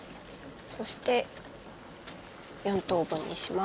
そして４等分にします。